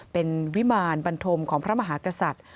เป็นวิมารบันทมของพระมหากษัตริย์